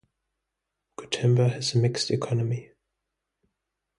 Gotemba has a mixed economy.